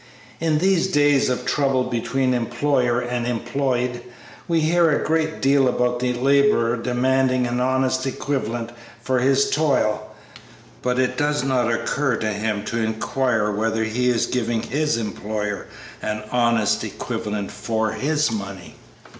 In these days of trouble between employer and employed, we hear a great deal about the laborer demanding an honest equivalent for his toil, but it does not occur to him to inquire whether he is giving his employer an honest equivalent for his money.